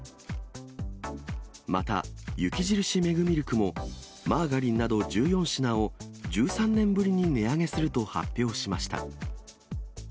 また雪印メグミルクも、マーガリンなど１４品を１３年ぶりに値上げすると発表しました。